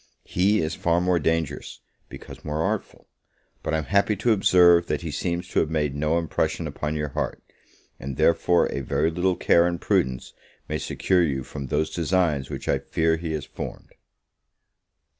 He is far more dangerous, because more artful: but I am happy to observe, that he seems to have made no impression upon your heart; and therefore a very little care and prudence may secure you from those designs which I fear he has formed.